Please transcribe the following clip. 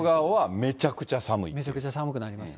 めちゃくちゃ寒くなります。